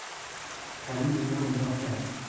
پری به ما نگاه کرد.